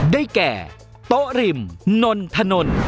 ได้แก่โต๊ะริมนนทนนท์